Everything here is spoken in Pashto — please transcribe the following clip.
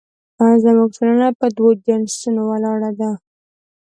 زموږ ټولنه په دوو جنسونو ولاړه ده